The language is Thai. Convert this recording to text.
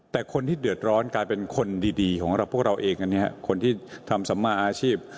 แต่คนที่เดือดร้อนกลายเป็นคนดีของเราพวกเราเองอันนี้คนที่ทำสัมมาอาชีพ